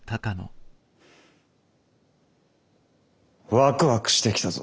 ワクワクしてきたぞ。